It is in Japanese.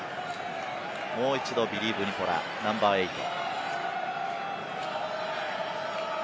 もう一度、ビリー・ヴニポラ、ナンバー８。